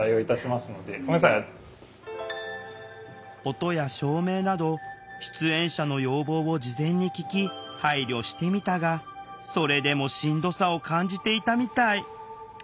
音や照明など出演者の要望を事前に聞き配慮してみたがそれでもしんどさを感じていたみたい。